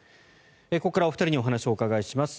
ここからお二人にお話をお伺いします。